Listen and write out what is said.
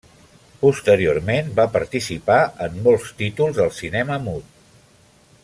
Posteriorment va participar en molts títols del cinema mut.